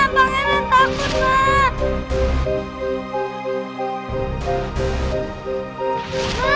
bang erang takut lah